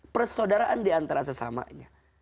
persaudaraan diantara sesamanya